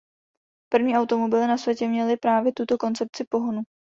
První automobily na světě měly právě tuto koncepci pohonu.